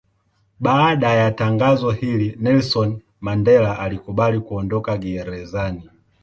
Baada ya tangazo hili Nelson Mandela alikubali kuondoka gerezani.